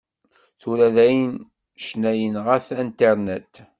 Tura dayen, ccna yenɣa-t Internet.